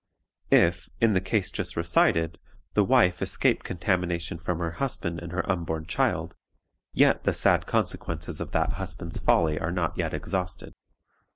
If, in the case just recited, the wife escape contamination from her husband and her unborn child, yet the sad consequences of that husband's folly are not yet exhausted.